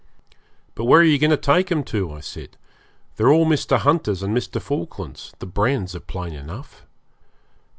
'But where are you going to take 'em to?' I said. 'They're all Mr. Hunter's and Mr. Falkland's; the brands are plain enough.'